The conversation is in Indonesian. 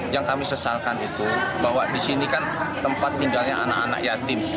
yang kami sesalkan itu bahwa di sini kan tempat tinggalnya anak anak yatim